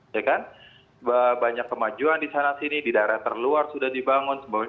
ya kan banyak kemajuan di sana sini di daerah terluar sudah dibangun